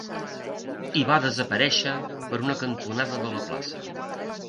I va desaparèixer per una cantonada de la plaça.